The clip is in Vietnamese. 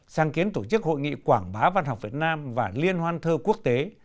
sáng kiến tổ chức hội nghị quảng bá văn học việt nam và liên hoan thơ quốc tế